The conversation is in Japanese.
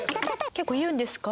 結構言うんですか？